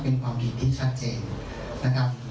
เป็นความเห็นที่ชัดเจนนะครับ